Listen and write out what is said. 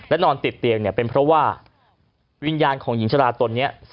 นอนติดเตียงเนี่ยเป็นเพราะว่าวิญญาณของหญิงชะลาตนเนี่ย